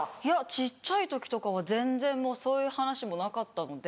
小っちゃい時とかは全然もうそういう話もなかったので。